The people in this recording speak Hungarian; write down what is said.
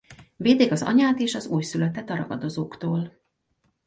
Védik az anyát és az újszülöttet a ragadozóktól.